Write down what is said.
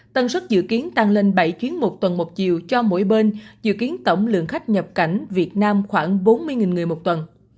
tân xuất dự kiến tăng lên bảy chuyến một tuần một chiều cho mỗi bên dự kiến tổng lượng khách nhập cảnh việt nam khoảng bốn mươi người một tuần